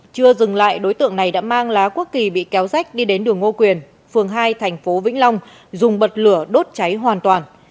chưa dừng lại đối tượng này đã mang lá quốc kỳ bị kéo rách đi đến đường ngô quyền phường hai thành phố vĩnh long dùng bật lửa đốt cháy hoàn toàn